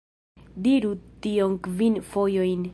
Diru tion kvin fojojn